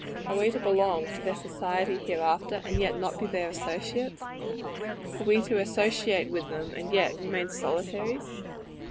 Are we to belong to their society hereafter, and yet not be their associates? Are we to associate with them, and yet remain solitaries?